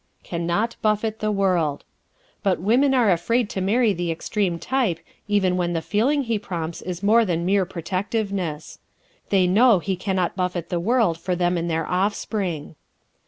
Can Not Buffet the World ¶ But women are afraid to marry the extreme type even when the feeling he prompts is more than mere protectiveness. They know he can not buffet the world for them and their offspring.